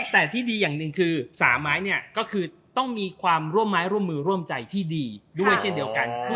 แต่ที่ดีอย่างหนึ่งคือสามไม้เนี่ยก็คือต้องมีความร่วมไม้ร่วมมือร่วมใจที่ดีด้วยเช่นเดียวกัน